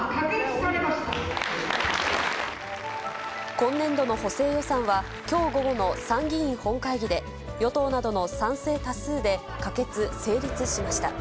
今年度の補正予算は、きょう午後の参議院本会議で、与党などの賛成多数で可決・成立しました。